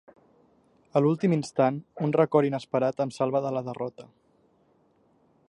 A l'últim instant, un record inesperat em salva de la derrota.